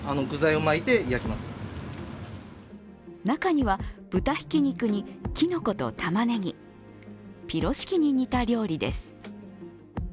中には、豚ひき肉にきのことたまねぎ、ピロシキに似た料理です。